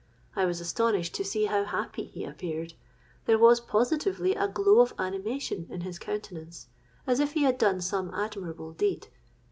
I was astonished to see how happy he appeared: there was, positively, a glow of animation in his countenance, as if he had done some admirable deed.